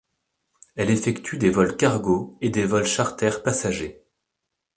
Elle effectue des vols cargo et des vols charters passagers.